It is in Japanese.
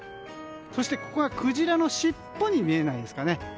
そして、ここがクジラの尻尾に見えないですかね。